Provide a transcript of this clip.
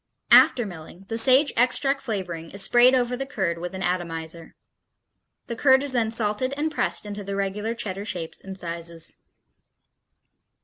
After milling, the sage extract flavoring is sprayed over the curd with an atomizer. The curd is then salted and pressed into the regular Cheddar shapes and sizes.